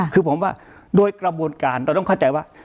คือผมว่าโดยกระบวนการเราต้องเข้าใจว่า